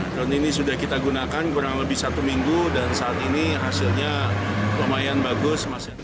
drone ini sudah kita gunakan kurang lebih satu minggu dan saat ini hasilnya lumayan bagus